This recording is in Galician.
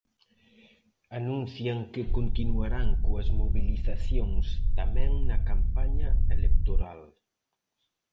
Anuncian que continuarán coas mobilizacións tamén na campaña electoral.